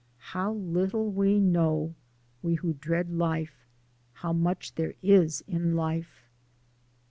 How little we know we who dread life how much there is in life!